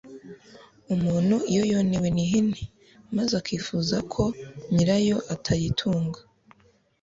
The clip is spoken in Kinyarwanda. Umuntu iyo yonewe n’ihene, maze akifuza ko nyirayo atayitunga,